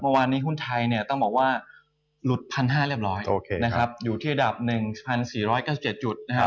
เมื่อวานนี้หุ้นไทยเนี่ยต้องบอกว่าหลุด๑๕๐๐เรียบร้อยนะครับอยู่ที่อันดับ๑๔๙๗จุดนะครับ